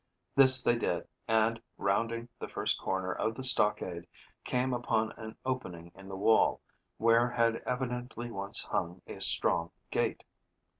This they did, and, rounding the first corner of the stockade, came upon an opening in the wall, where had evidently once hung a strong gate.